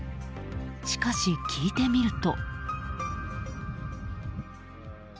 しかし、聞いてみると。